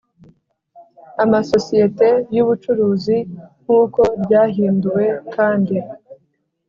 amasosiyeti y ubucuruzi nk uko ryahinduwe kandi